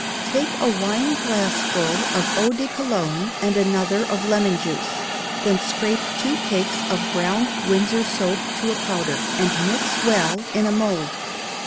Take a wineglassful of eau de Cologne, and another of lemon juice; then scrape two cakes of brown windsor soap to a powder, and mix well in a mould.